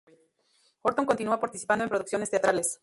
Horton continuó participando en producciones teatrales.